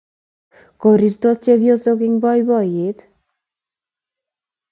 Kororitos chepyosochotok eng' poipoyet